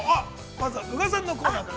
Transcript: まずは宇賀さんのコーナーから。